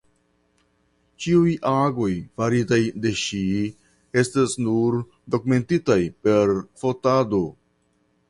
Ĉiuj agoj faritaj de ŝi estas nur dokumentitaj per fotado.